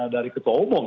dari ketua umum